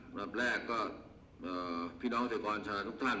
หลังแรกก็เอ่อพี่น้องเศรษฐกรฉลาดทุกท่าน